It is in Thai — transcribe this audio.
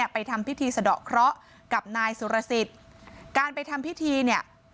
ไปทำพิธีสะดอกเคราะห์กับนายสุรสิทธิ์การไปทำพิธีเนี่ย